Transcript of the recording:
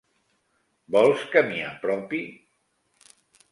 Vols que m'hi apropi?